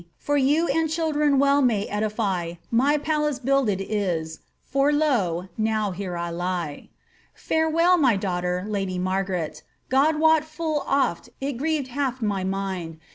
For you and children well may edify ; My palace builded is, for lo, now here I lie ! Farewell, my daughter, lady Marg&rete, God wot full oft it grieved hath my mind.